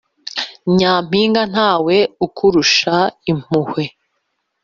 nyampinga ntawe ukurusha impuhwe